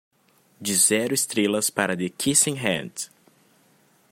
Dê zero estrelas para The Kissing Hand